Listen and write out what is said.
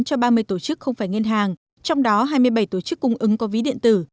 cho ba mươi tổ chức không phải ngân hàng trong đó hai mươi bảy tổ chức cung ứng có ví điện tử